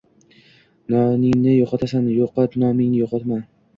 Noningni yo'qotsang yo'qot, nomingni yoqotma!